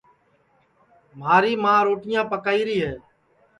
مھاری ماں روٹیاں پکائیری ہے